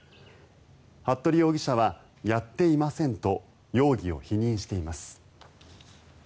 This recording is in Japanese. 服部容疑者はやっていませんと容疑を否認しています。